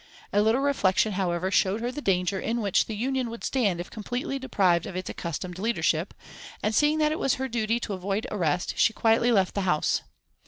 A little reflection however showed her the danger in which the Union would stand if completely deprived of its accustomed leadership, and seeing that it was her duty to avoid arrest, she quietly left the house.